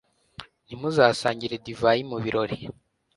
ntimuzasangire divayi mu birori